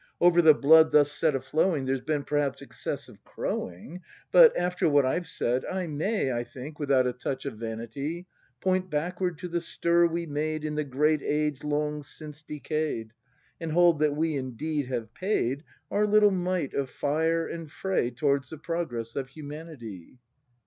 — Over the blood thus set a flowing There's been perhaps excessive crowing; But, after what I've said, I may, I think, without a touch of vanity, Point backward to the stir we made In the great Age long since decay 'd. And hold that we indeed have paid Our little mite of Fire and Fray Towards the Progress of Humanity.